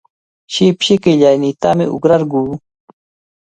Shipshi qillayniitami uqrarquu.